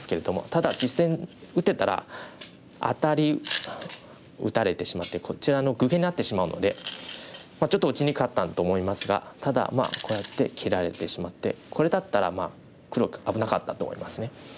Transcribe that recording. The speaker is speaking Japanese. ただ実戦打ってたらアタリ打たれてしまってこちら愚形になってしまうのでちょっと打ちにくかったと思いますがただまあこうやって切られてしまってこれだったら黒危なかったと思いますね。